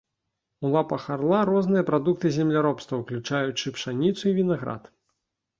У лапах арла розныя прадукты земляробства, уключаючы пшаніцу і вінаград.